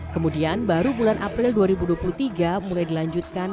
kemudian baru bulan april dua ribu dua puluh tiga mulai dilanjutkan